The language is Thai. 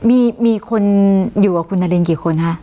มีคนอยู่กับคุณนารินกี่คนคะ